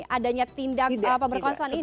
adanya tindak pemberkonsan ini